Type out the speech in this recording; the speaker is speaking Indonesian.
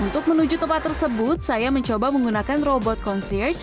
untuk menuju tempat tersebut saya mencoba menggunakan robot consierge